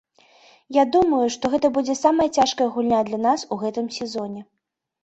Я думаю, што гэта будзе самая цяжкая гульня для нас у гэтым сезоне.